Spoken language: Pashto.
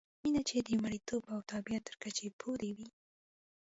مینه چې د مریتوب او تابعیت تر کچې پورې وي.